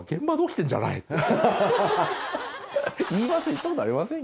言ったことありません？